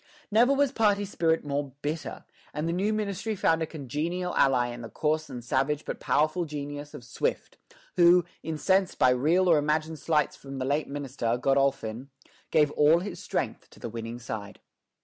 Never was party spirit more bitter; and the new ministry found a congenial ally in the coarse and savage but powerful genius of Swift, who, incensed by real or imagined slights from the late minister, Godolphin, gave all his strength to the winning side.